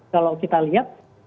kalau kita lihat